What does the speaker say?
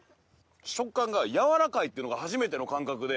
食感が柔らかいっていうのが初めての感覚で。